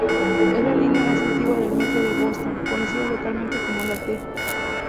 Es la línea más antigua del Metro de Boston, conocido localmente como la 'T'.